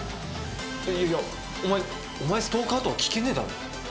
いやいや「お前お前ストーカー？」とは聞けねえだろ。